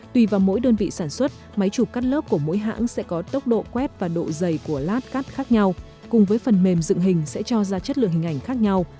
tùy vào mỗi đơn vị sản xuất máy chụp cắt lớp của mỗi hãng sẽ có tốc độ quét và độ dày của lát cắt khác nhau cùng với phần mềm dựng hình sẽ cho ra chất lượng hình ảnh khác nhau